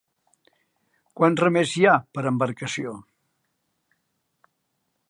Quants remers hi ha per embarcació?